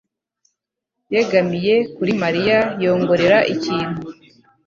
yegamiye kuri Mariya yongorera ikintu.